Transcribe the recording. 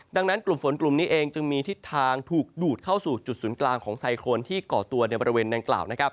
ดังนั้นกลุ่มฝนกลุ่มนี้เองจึงมีทิศทางถูกดูดเข้าสู่จุดศูนย์กลางของไซโครนที่ก่อตัวในบริเวณดังกล่าว